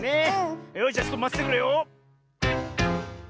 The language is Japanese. よしじゃちょっとまっててくれよ。